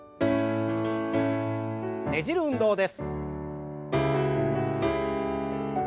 ねじる運動です。